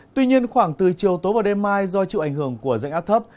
tuy nhiên khoảng từ chiều tối và đêm mai do chịu ảnh hưởng của dạnh áp thấp